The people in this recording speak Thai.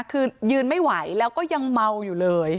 คือยืนไม่ไหวแล้วก็ยังเมาอยู่เลย